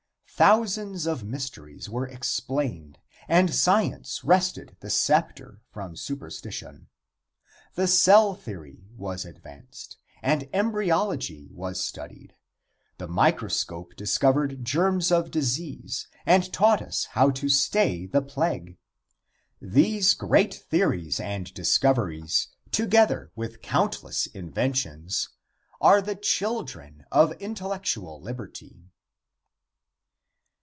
Thousands of mysteries were explained and science wrested the sceptre from superstition. The cell theory was advanced, and embryology was studied; the microscope discovered germs of disease and taught us how to stay the plague. These great theories and discoveries, together with countless inventions, are the children of intellectual liberty.